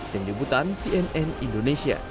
dendam butan cnn indonesia